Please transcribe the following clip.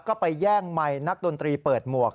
ก็ไปแย่งไมค์นักดนตรีเปิดหมวก